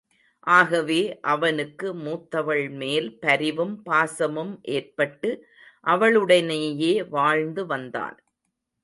ஆகவே அவனுக்கு மூத்தவள் மேல் பரிவும் பாசமும் ஏற்பட்டு அவளுடனேயே வாழ்ந்து வந்தான்.